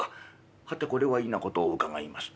「はてこれは異なことを伺いますな。